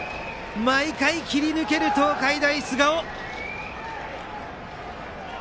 毎回切り抜ける東海大菅生。